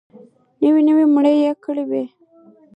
نوې نوي مړي يې کړي وو.